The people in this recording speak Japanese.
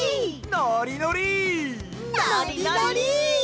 のりのり。